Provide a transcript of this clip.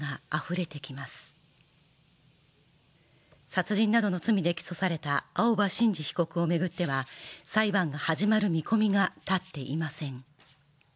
殺人などの罪で起訴された青葉真司被告を巡っては裁判が始まる見込みが立っていません。